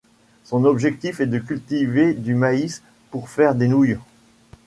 Son objectif est de cultiver du maïs pour faire des nouilles.